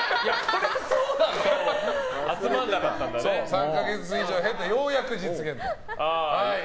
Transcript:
３か月以上を経てようやく実現しました。